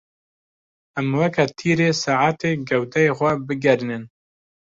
Em weke tîrê saetê gewdeyê xwe bigerînin.